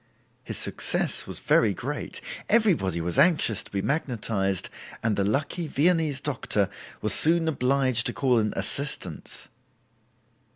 His success was very great; everybody was anxious to be magnetized, and the lucky Viennese doctor was soon obliged to call in assistants.